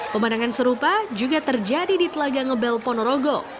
pemandangan serupa juga terjadi di telaga ngebel ponorogo